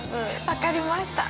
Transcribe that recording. ◆分かりました